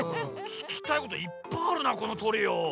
ききたいこといっぱいあるなこのトリオ。